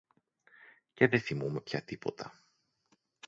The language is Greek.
Και δε θυμούμαι πια τίποτα».